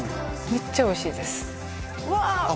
めっちゃおいしいですわあ！